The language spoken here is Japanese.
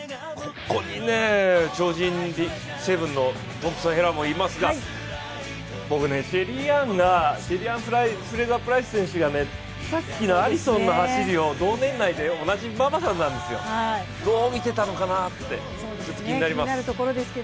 ここにね、超人７のトンプソン・ヘラもいますが僕、シェリーアン・フレイザー・プライス選手が、さっきのアリソンの走りを同年代、同じママさんなんですよ、どう見てたか気になります。